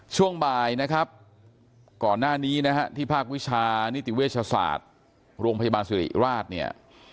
ช่วงบ่ายนะครับก่อนหน้านี้นะฮะที่ภาควิชานิติเวชศาสตร์โรงพยาบาลสิริราชเนี่ย